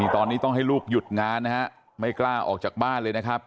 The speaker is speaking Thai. ตอนนี้ต้องให้ลูกหยุดงานนะฮะไม่กล้าออกจากบ้านเลยนะครับ